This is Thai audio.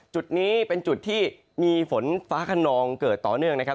จุดนี้เป็นจุดที่มีฝนฟ้าขนองเกิดต่อเนื่องนะครับ